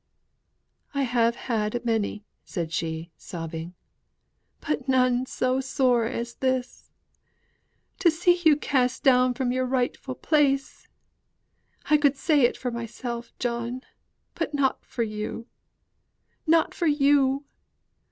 "I have had a many," said she, sobbing, "but none so sore as this. To see you cast down from your rightful place! I could say it for myself, John, but not for you. Not for you!